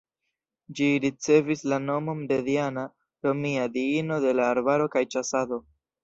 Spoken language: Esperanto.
Ĝi ricevis la nomon de Diana, romia diino de la arbaro kaj ĉasado.